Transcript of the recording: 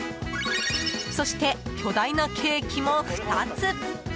そして、巨大なケーキも２つ。